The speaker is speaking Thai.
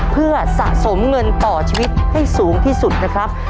เพื่อสะสมเงินต่อชีวิตให้สูงที่สุดนะครับ